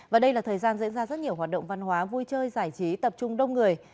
và đây là thời gian diễn ra rất nhiều hoạt động văn hóa vui chơi giải trí tập trung đông người